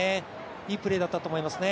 いいプレーだったと思いますね。